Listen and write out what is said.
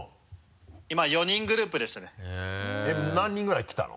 何人ぐらい来たの？